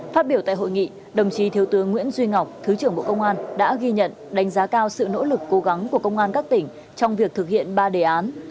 phát biểu tại hội nghị đồng chí thiếu tướng nguyễn duy ngọc thứ trưởng bộ công an đã ghi nhận đánh giá cao sự nỗ lực cố gắng của công an các tỉnh trong việc thực hiện ba đề án